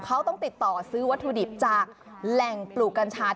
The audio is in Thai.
เขาต้องติดต่อซื้อวัตถุดิบจากแหล่งปลูกกัญชา